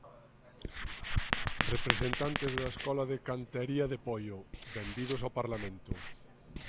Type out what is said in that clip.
Representantes da Escola de Cantería de Poio, benvidos ao Parlamento.